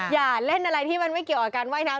อย่าเล่นอะไรที่มันไม่เกี่ยวกับการว่ายน้ำ